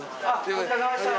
お疲れさまでした。